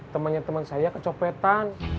temennya temen saya kecopetan